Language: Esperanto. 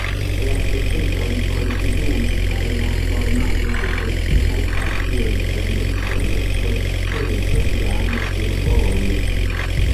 La eventoj kontribuis al la formado de politikaj partioj en Usono, procezo jam survoje.